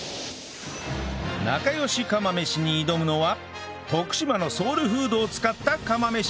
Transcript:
なかよし釜飯に挑むのは徳島のソウルフードを使った釜飯